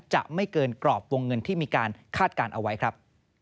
จะไม่เกินกรอบวงเงินที่มีการคาดการณ์เอาไว้ครับ